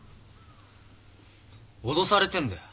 脅されてんだよ